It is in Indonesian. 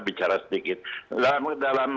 bicara sedikit dalam